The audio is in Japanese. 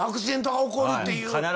必ず起こるっていう。